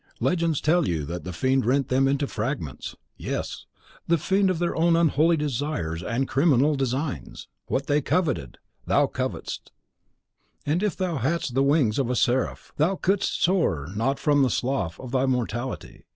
Legends tell you that the fiend rent them into fragments. Yes; the fiend of their own unholy desires and criminal designs! What they coveted, thou covetest; and if thou hadst the wings of a seraph thou couldst soar not from the slough of thy mortality.